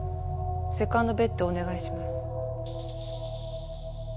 セカンドベットをお願いします。